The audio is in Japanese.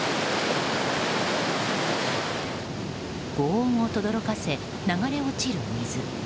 轟音をとどろかせ流れ落ちる水。